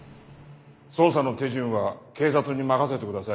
捜査の手順は警察に任せてください。